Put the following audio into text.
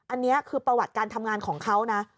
อันนี้คือประวัติการทำงานของเขานะ